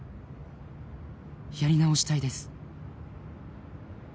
「やり直したいです」